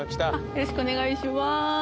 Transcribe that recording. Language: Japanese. よろしくお願いします